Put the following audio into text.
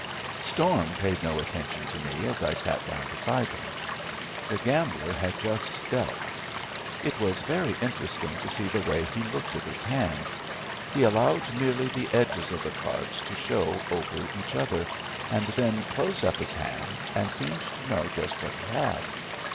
Storm paid no attention to me as I sat down beside him. The gambler had just dealt. It was very interesting to see the way he looked at his hand. He allowed merely the edges of the cards to show over each other, and then closed up his hand and seemed to know just what he had.